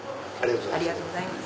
ありがとうございます。